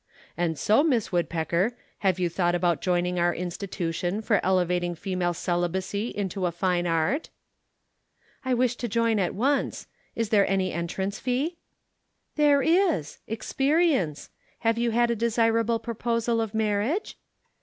And so, Miss Woodpecker, you have thought about joining our institution for elevating female celibacy into a fine art?" "I wish to join at once. Is there any entrance fee?" "There is experience. Have you had a desirable proposal of marriage?"